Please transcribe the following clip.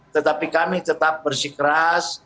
tetapi kami tetap bersikeras